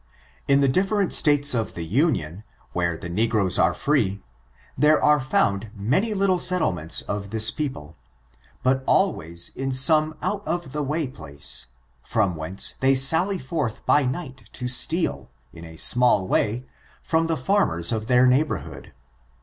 In the different states of the Union, where the negroes are free, there are found many little settlements of this people, but always in some out of the way place, from whence they sally forth by night to steal, in a small way, from the farmers of their neighborhood.